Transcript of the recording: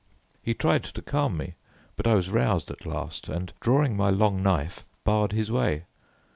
He tried to calm me, but I was roused at last, and drawing my long knife barred his way.